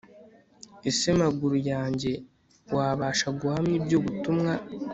ese maguru yanjye wabasha guhamya ibyo ubutumwa